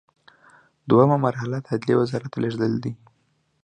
دوهمه مرحله د عدلیې وزارت ته لیږل دي.